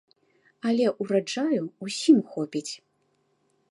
Але ўраджаю ўсім хопіць.